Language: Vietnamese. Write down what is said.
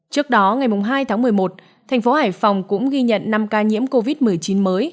trước đó ngày hai tháng một mươi một thành phố hải phòng cũng ghi nhận năm ca nhiễm covid một mươi chín mới